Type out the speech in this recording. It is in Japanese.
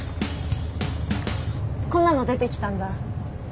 こんなの出てきたんだ。